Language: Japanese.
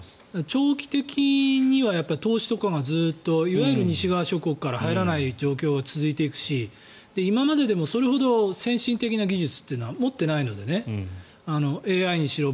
長期的には投資とかがずっと、いわゆる西側諸国から入らない状況が続いていくし、今まででもそれほど先進的な技術というのは持っていないのでＡＩにしろ